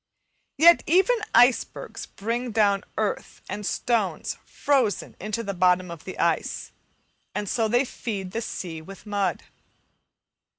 Yet even icebergs bring down earth and stones frozen into the bottom of the ice, and so they feed the sea with mud.